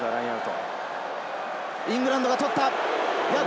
イングランドが取った。